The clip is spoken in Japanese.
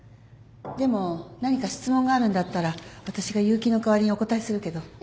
でも何か質問があるんだったら私が結城の代わりにお答えするけど。